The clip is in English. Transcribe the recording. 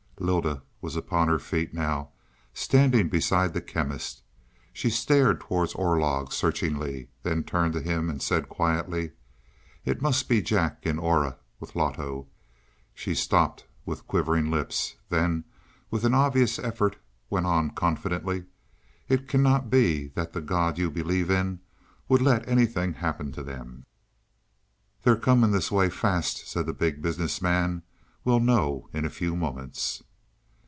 Lylda was upon her feet now, standing beside the Chemist. She stared towards Orlog searchingly, then turned to him and said quietly, "It must be Jack and Aura, with Loto." She stopped with quivering lips; then with an obvious effort went on confidently. "It cannot be that the God you believe in would let anything happen to them." "They're coming this way fast," said the Big Business Man. "We'll know in a few moments."